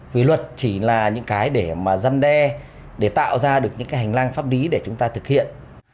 vì luật chỉ là những cái để mà dân đe để tạo ra được những cái hành lang pháp lý để chúng ta thực hiện